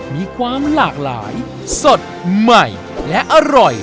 มีความหลากหลายสดใหม่และอร่อย